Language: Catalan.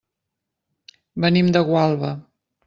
Venim de Gualba.